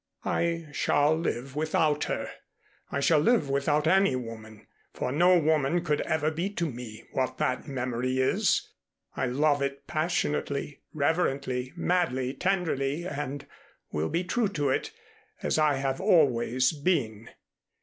I shall live without her. I shall live without any woman, for no woman could ever be to me what that memory is. I love it passionately, reverently, madly, tenderly, and will be true to it, as I have always been.